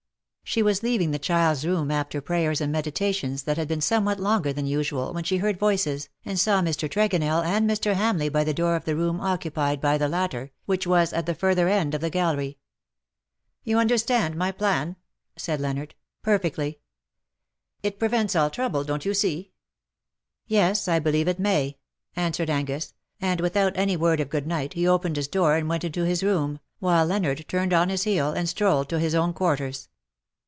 She was leaving the child^s room, after prayers and meditations that had been somewhat longer than usual, when she heard voices, and saw Mr. Tregonell and Mr. Hamleigh by the door of the room occupied by the latter, which was at the further end of the gallery. '^ You understand my plan ?" said Leonard. '' Perfectly.'' " It prevents all trouble, don't you see." " Yes, I believe it may," answered Angus, and without any word of good night he opened his door and went into his room, while Leonard turned on his heel, and strolled to his own quarters.